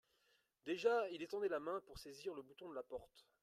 Déjà il étendait la main pour saisir le bouton de la porte.